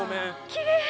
きれい！